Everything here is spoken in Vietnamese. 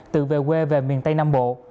tự về quê về miền tây nam bộ